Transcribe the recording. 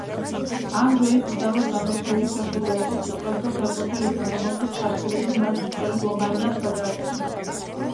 ამ დროის უდავოდ გამორჩეული შეხვედრა იყო კვიპროსელ ფეხბურთელებთან, რომელშიც ქართველები მარცხს სწორედ ლომაიამ გადაარჩინა.